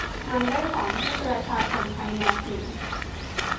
มันได้สอนให้ประชาชนไทยมองเห็น